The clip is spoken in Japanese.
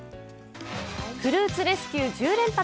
「フルーツレスキュー１０連発」。